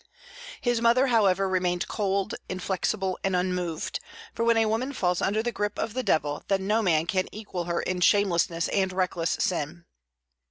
His mother however remained cold, inflexible, and unmoved, for when a woman falls under the grip of the Devil, then no man can equal her in shamelessness and reckless sin.